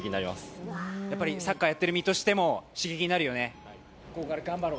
やっぱりサッカーやっている身としても刺激になるよね。